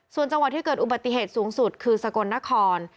ส่วนจังหวัดที่เกิดอุบัติเหตุสูงสุดคือสกลนคร